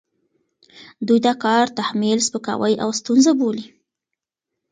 دوی دا کار تحمیل، سپکاوی او ستونزه بولي،